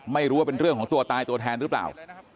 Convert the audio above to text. ไม่รู้ว่าเป็นเรื่องของตัวตายตัวแทนหรือเปล่า